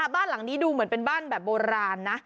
บ้านหลังนี้ดูเหมือนเป็นบ้านแบบโบราณนะ